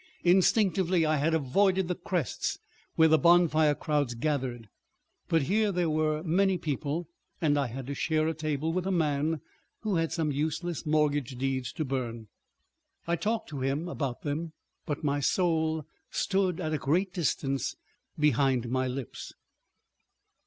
Instinctively I had avoided the crests where the bonfire crowds gathered, but here there were many people, and I had to share a table with a man who had some useless mortgage deeds to burn. I talked to him about them—but my soul stood at a great distance behind my lips.